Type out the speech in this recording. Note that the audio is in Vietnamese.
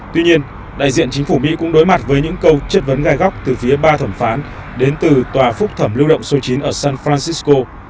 tuy nhiên đại diện chính phủ mỹ cũng đối mặt với những câu chất vấn gai góc từ phía ba thẩm phán đến từ tòa phúc thẩm lưu động số chín ở san francisco